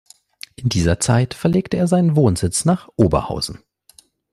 In dieser Zeit verlegte er seinen Wohnsitz nach Oberhausen.